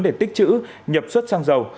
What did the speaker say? để tích chữ nhập xuất xăng dầu